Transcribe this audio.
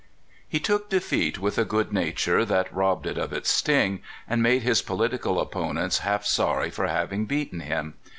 He took defeat with a good nature that robbed it of its sting, and made his poUtical opponents half sorry for having beaten him.